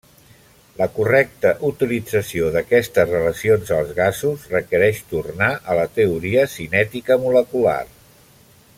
La correcta utilització d'aquestes relacions als gasos requereix tornar a la teoria cinètica molecular.